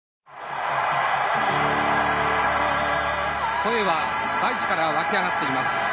声は、大地から沸き上がっています。